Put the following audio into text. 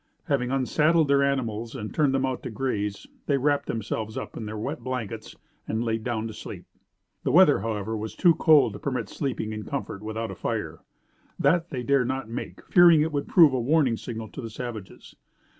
Having unsaddled their animals and turned them out to graze, they wrapped themselves up in their wet blankets and laid down to sleep. The weather, however, was too cold to permit sleeping in comfort without a fire. That they dare not make, fearing it would prove a warning signal to the savages.